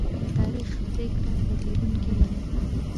د تاریخ پرېکړه بدلېدونکې نه ده.